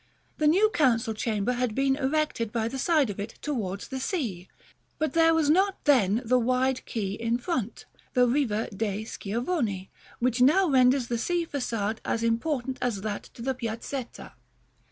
The new Council Chamber had been erected by the side of it towards the Sea; but there was not then the wide quay in front, the Riva dei Schiavoni, which now renders the Sea Façade as important as that to the Piazzetta.